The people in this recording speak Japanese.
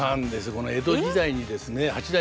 この江戸時代にですね八代